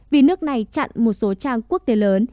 vì nước này chặn một số trang quốc tế lớn